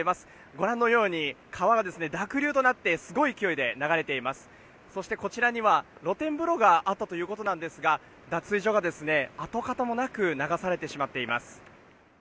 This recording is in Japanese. ご覧のように川は濁流となってすごい勢いで流れています、そしてこちらには、露天風呂があったということですが脱衣所が跡形もなく流されてしまっています。